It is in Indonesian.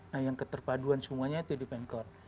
nah yang keterpaduan semuanya itu di pengkor